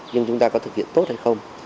nhưng chúng ta có thực hiện tốt hay không